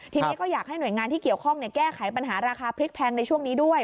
ทีนี้ก็อยากให้หน่วยงานที่เกี่ยวข้องแก้ไขปัญหาราคาพริกแพงในช่วงนี้ด้วย